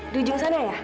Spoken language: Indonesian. di ujung sana ya